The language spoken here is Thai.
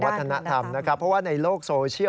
วัฒนธรรมนะครับเพราะว่าในโลกโซเชียล